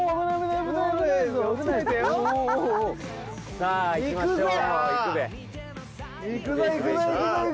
さぁ行きましょう！